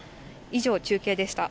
以上、中継でした。